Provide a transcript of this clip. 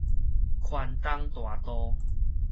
環東大道